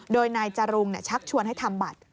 โดยนายจรุงชักชวนให้ทำบัตร